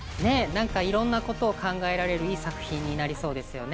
なんかいろんなことを考えられる良い作品になりそうですね。